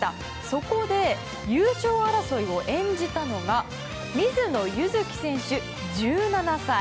そこで、優勝争いを演じたのが水野柚希選手、１７歳。